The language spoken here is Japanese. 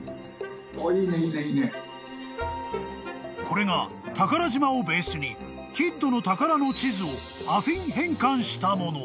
［これが宝島をベースにキッドの宝の地図をアフィン変換したもの］